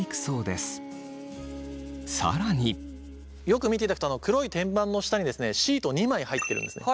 よく見ていただくと黒い天板の下にシート２枚入ってるんですね。